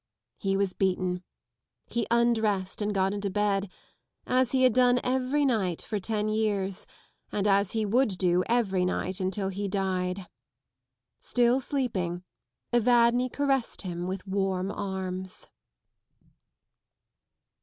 He was beaten. He undressed and got into bed : as he had done every night for ten years, and as he would do every night until he died. Still sleeping, Evadne caressed him with warm arms.